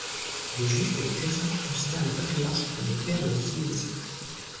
Les juifs et les chrétiens considèrent les patriarches comme les pères de leur civilisation.